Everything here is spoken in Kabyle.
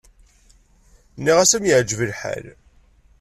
Nniɣ-as am yeɛǧeb lḥal.